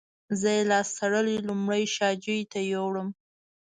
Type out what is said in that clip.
زه یې لاس تړلی لومړی شا جوی ته یووړم.